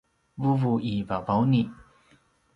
vuvu i Vavauni